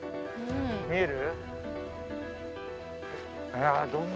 見える？